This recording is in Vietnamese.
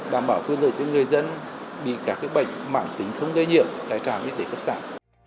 đảm bảo quyền lợi cho người dân bị các bệnh mạng tính không gây nhiễm tại trạm y tế cấp xã